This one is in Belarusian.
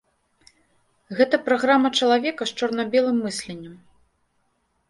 Гэта праграма чалавека з чорна-белым мысленнем.